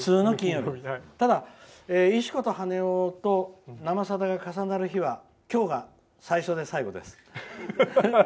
ただ、「石子と羽男」と「生さだ」が重なる日は今日が最初で最後です。